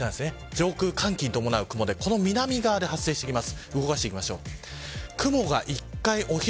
上空寒気に伴う雲でこの南側で発生してきます。